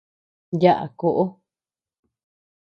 Yaʼa koʼo.